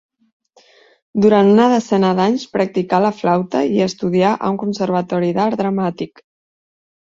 Durant una desena d'anys practicà la flauta i estudià a un conservatori d'art dramàtic.